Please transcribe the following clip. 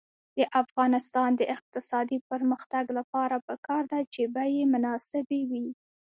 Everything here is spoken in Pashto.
د افغانستان د اقتصادي پرمختګ لپاره پکار ده چې بیې مناسبې وي.